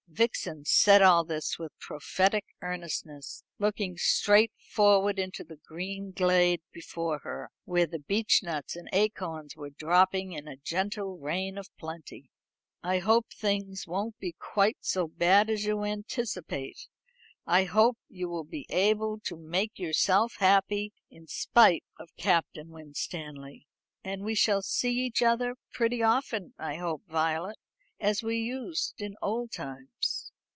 Vixen said all this with prophetic earnestness, looking straight forward into the green glade before her, where the beech nuts and acorns were dropping in a gentle rain of plenty. "I hope things won't be quite so bad as you anticipate. I hope you will be able to make yourself happy, in spite of Captain Winstanley. And we shall see each other pretty often, I hope, Violet, as we used in old times.